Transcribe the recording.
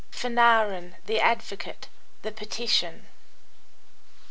FANARIN, THE ADVOCATE THE PETITION.